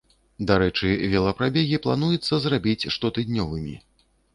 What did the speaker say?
Дарэчы, велапрабегі плануецца зрабіць штотыднёвымі.